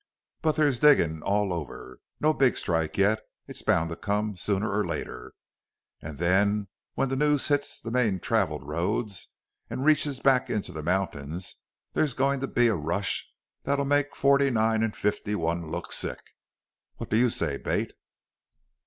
But there's diggin's all over. No big strike yet. It's bound to come sooner or later. An' then when the news hits the main traveled roads an' reaches back into the mountains there's goin' to be a rush that'll make '49 an' '51 look sick. What do you say, Bate?"